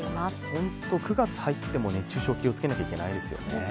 本当、９月入っても熱中症気をつけなきゃいけないですよね。